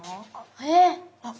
えっ。